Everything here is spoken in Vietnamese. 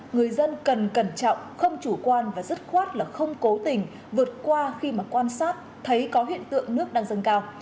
người dân cần cẩn trọng không chủ quan và dứt khoát là không cố tình vượt qua khi mà quan sát thấy có hiện tượng nước đang dâng cao